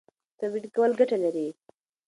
تمرین کول ګټه لري.